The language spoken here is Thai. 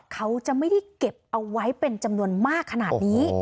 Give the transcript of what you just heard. เขาจะไม่ได้เก็บเอาไว้เป็นจำนวนมากขนาดนี้